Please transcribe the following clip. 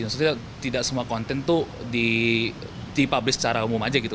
maksudnya tidak semua konten itu dipublish secara umum saja gitu